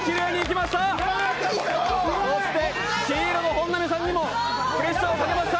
そして黄色の本並さんにもプレッシャーをかけました。